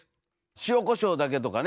塩こしょうだけとかね